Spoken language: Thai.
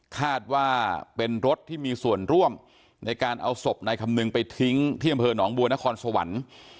คาดว่าเป็นรถที่มีส่วนร่วมในการเอาศพนายคำนึงไปทิ้งที่อำเภอหนองบัวนครสวรรค์